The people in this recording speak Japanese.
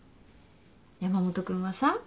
山本君はさ